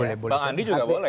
bang andi juga boleh